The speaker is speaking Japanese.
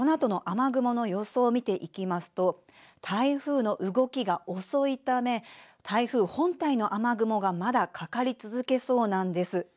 このあとの雨雲の様子を見ていきますと台風の動きが遅いため台風本体の雨雲がまだかかり続けそうなんです。